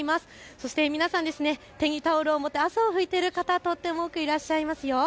そして皆さん、手にタオルを持って汗を拭いている方、とても多くいらっしゃいますよ。